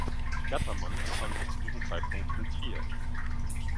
Gattermann befand sich zu diesem Zeitpunkt in Trier.